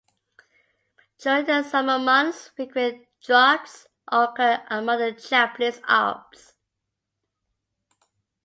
During the summer months frequent droughts occur among the Japanese alps.